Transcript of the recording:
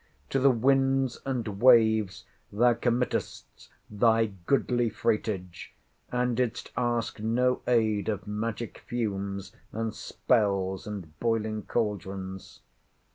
To the winds and waves thou committedst thy goodly freightage, and didst ask no aid of magic fumes, and spells, and boiling cauldrons.